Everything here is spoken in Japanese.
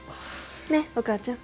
ねっお母ちゃん。